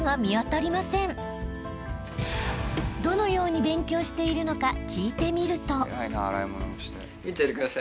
［どのように勉強しているのか聞いてみると］